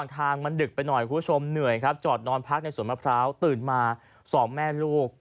ทางมันดึกไปหน่อยคุณผู้ชมเหนื่อยครับจอดนอนพักในสวนมะพร้าวตื่นมาสองแม่ลูก